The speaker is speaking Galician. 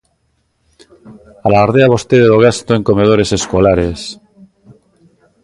Alardea vostede do gasto en comedores escolares.